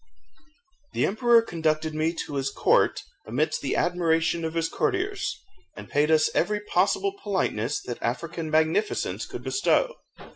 The emperor conducted me to his court amidst the admiration of his courtiers, and paid us every possible politeness that African magnificence could bestow.